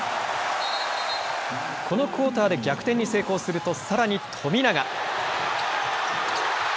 このクオーターで逆転に成功するとさらに富永。